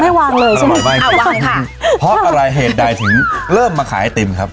วางเลยใช่ไหมอ่าวางค่ะเพราะอะไรเหตุใดถึงเริ่มมาขายไอติมครับ